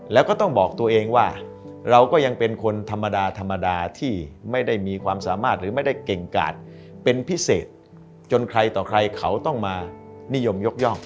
แล้วก็ต้องบอกตัวเองว่าเราก็ยังเป็นคนธรรมดาธรรมดาที่ไม่ได้มีความสามารถหรือไม่ได้เก่งกาดเป็นพิเศษจนใครต่อใครเขาต้องมานิยมยกย่อง